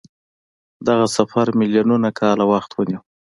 دغه سفر میلیونونه کاله وخت ونیو.